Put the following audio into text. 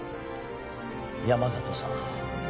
山里さん